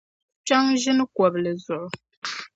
Kpiɔŋ ʒini kɔbili zuɣu.